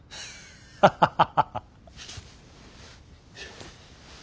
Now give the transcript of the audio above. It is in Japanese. ハハハハハ。